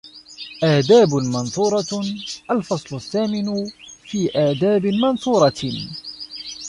آدَابٌ مَنْثُورَةٌ الْفَصْلُ الثَّامِنُ فِي آدَابٍ مَنْثُورَةٍ